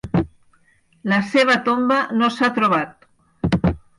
La seva tomba no s'ha trobat.